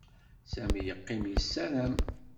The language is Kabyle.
Sami yeqqim yessaram.